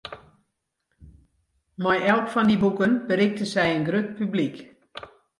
Mei elk fan dy boeken berikte sy in grut publyk.